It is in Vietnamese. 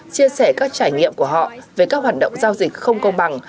chia sẻ các trải nghiệm của họ về các hoạt động giao dịch không công bằng